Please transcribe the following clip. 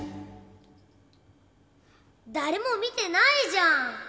誰も見てないじゃん！